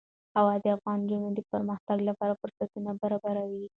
هوا د افغان نجونو د پرمختګ لپاره فرصتونه برابروي.